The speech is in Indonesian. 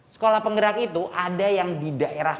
sekolah penggerak itu ada yang di daerah